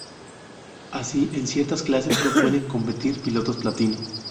Así, en ciertas clases no pueden competir pilotos platino.